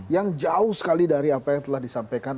yang jauh sekali dari apa yang telah disampaikan